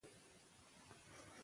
هغوی ته ښه تعلیم ورکړئ.